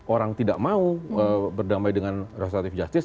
orang tidak mau berdamai dengan restoratif justice